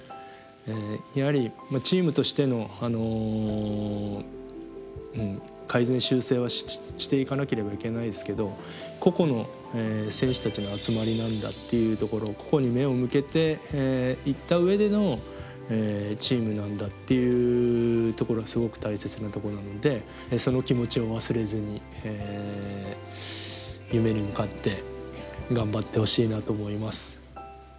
やはりチームとしての改善修正はしていかなければいけないですけど個々の選手たちの集まりなんだっていうところ個々に目を向けていった上でのチームなんだっていうところはすごく大切なところなのでその気持ちを忘れずに夢に向かって頑張ってほしいなと思います。